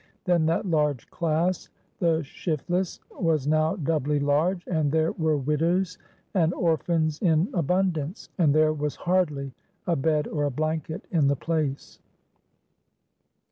Then that large class—the shiftless—was now doubly large, and there were widows and orphans in abundance, and there was hardly a bed or a blanket in the place.